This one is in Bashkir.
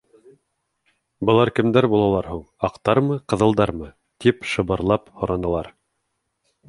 — Былар кемдәр булалар һуң, аҡтармы, ҡыҙылдармы? — тип шыбырлап һоранылар.